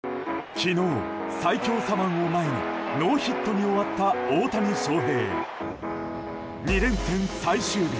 昨日、最強左腕の前にノーヒットに終わった大谷翔平。２連戦最終日。